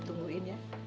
kita tungguin ya